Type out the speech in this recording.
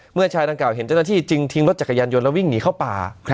เมื่อชายดังกล่าเห็นเจ้าหน้าที่จึงทิ้งรถจักรยานยนต์แล้ววิ่งหนีเข้าป่า